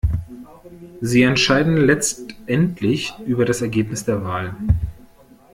Sie entscheiden letztendlich über das Ergebnis der Wahl.